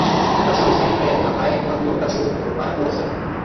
Um cachorro está em pé na praia enquanto outro cachorro corre para o oceano.